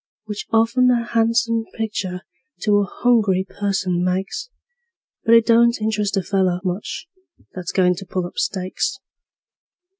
Which often a han'some pictur' to a hungry person makes, But it don't interest a feller much that's goin' to pull up stakes.